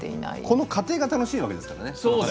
この過程が楽しいわけですからね。